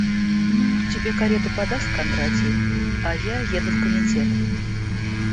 Ну, тебе карету подаст Кондратий, а я еду в комитет.